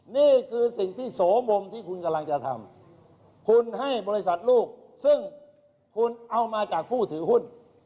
นี่คือสิ่งที่โสมมที่คุณกำลังจะทำคุณให้บริษัทลูกซึ่งคุณเอามาจากผู้ถือหุ้น